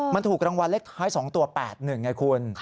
มันถูกรางวัลเลขท้าย๒ตัว๘๑ไงคุณ